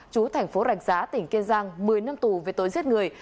chú thành phố rạch giá tỉnh kiên giang một mươi năm tù về tội giết người